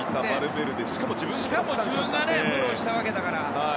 しかも自分でフォローしたわけだから。